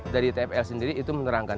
dari tfl sendiri itu menerangkan